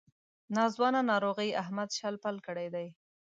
ناځوانه ناروغۍ احمد شل پل کړی دی.